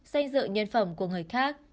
xanh dự nhân phẩm của người khác